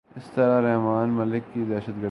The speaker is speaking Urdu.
اسی طرح رحمان ملک کی دہشت گردی